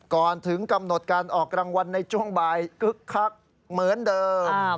ก่อนถึงกำหนดการออกรางวัลในช่วงบ่ายคึกคักเหมือนเดิม